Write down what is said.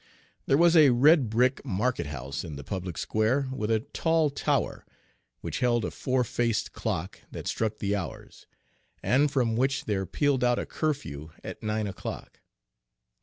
There was a red brick market house in the public square, with a tall tower, which held a four faced clock that struck the hours, and from which there pealed out a curfew at nine o'clock.